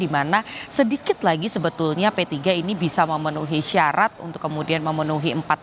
dimana sedikit lagi sebetulnya p tiga ini bisa memenuhi syarat untuk kemudian memenuhi empat